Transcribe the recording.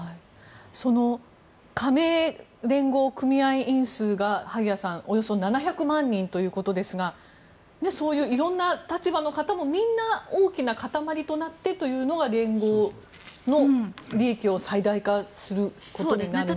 その加盟連合組合員数が萩谷さん、およそ７００万人ということですがそういう色んな立場の方もみんな大きな固まりとなってというのが連合の利益を最大化することになるんでしょうか。